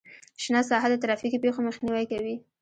شنه ساحه د ترافیکي پیښو مخنیوی کوي